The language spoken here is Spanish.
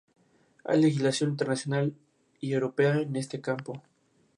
Luego del final de la temporada no se le vuelve a ver.